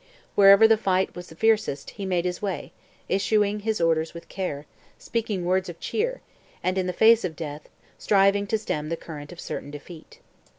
Wherever the fight was fiercest he made his way, issuing his orders with care, speaking words of cheer, and, in the face of death, striving to stem the current of certain defeat.